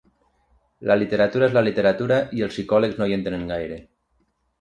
La literatura és la literatura i els psicòlegs no hi entenen gaire.